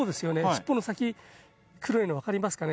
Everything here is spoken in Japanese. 尻尾の先黒いの分かりますかね？